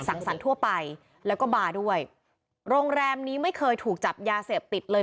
สรรคทั่วไปแล้วก็บาร์ด้วยโรงแรมนี้ไม่เคยถูกจับยาเสพติดเลย